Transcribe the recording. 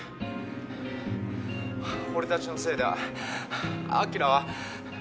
「俺たちのせいで晶は」